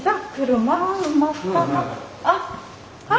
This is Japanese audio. あっ！